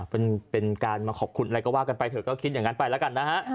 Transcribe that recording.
เป็นการมาขอบคุณอะไรก็ว่ากันไปเถอะก็คิดอย่างนั้นไปแล้วกันนะฮะ